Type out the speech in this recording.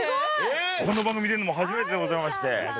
この番組に出るのも初めてでございまして。